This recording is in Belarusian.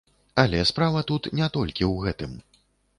Але справа тут не толькі ў гэтым.